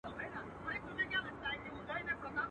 خپل یې د ټولو که ځوان که زوړ دی.